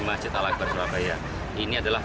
masjid al akbar surabaya ini adalah